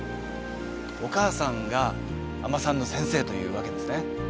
お母さんが海女さんの先生というわけですね。